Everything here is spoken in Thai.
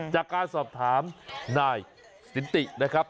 จากการสอบถามนายสินตินะครับ